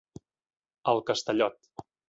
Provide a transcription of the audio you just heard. El Castellot.